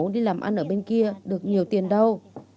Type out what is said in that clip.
đi làm ăn ở bên kia được nhiều tiền đâu